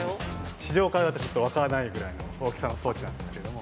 地上からだとちょっと分からないぐらいの大きさの装置なんですけども。